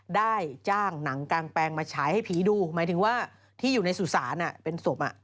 ได้จ้างหนังกางแปลงมาฉายให้ผีดูหมายถึงว่าที่อยู่ในสุสานเป็นศพ